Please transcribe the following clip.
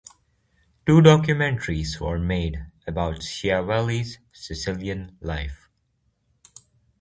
Two documentaries were made about Schiavelli's Sicilian life.